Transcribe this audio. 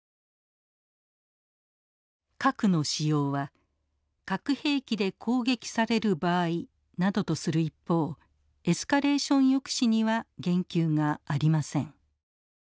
核の使用は核兵器で攻撃される場合などとする一方エスカレーション抑止には言及がありません。